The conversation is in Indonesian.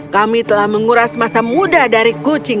kami telah menguras masa muda dari kucing